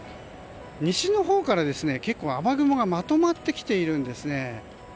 西のほうから結構、雨雲がまとまってきているんですね。